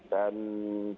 dan di kabupaten jemara